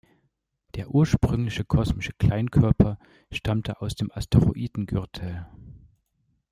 Der ursprüngliche kosmische Kleinkörper stammte aus dem Asteroidengürtel.